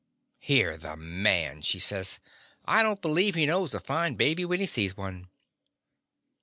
"Hear the man!" she says. "I don't believe he knows a fine baby when he sees one."